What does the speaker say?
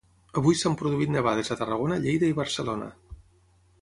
Avui s'han produït nevades a Tarragona, Lleida i Barcelona.